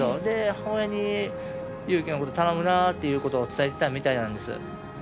母親に勇気のこと頼むなって伝えてたみたいなんです。